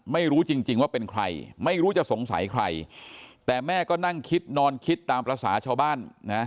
ไม่รู้จริงจริงว่าเป็นใครไม่รู้จะสงสัยใครแต่แม่ก็นั่งคิดนอนคิดตามภาษาชาวบ้านนะ